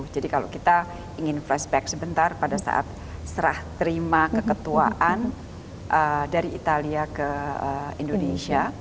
jadi kalau kita ingin flashback sebentar pada saat serah terima keketuaan dari italia ke indonesia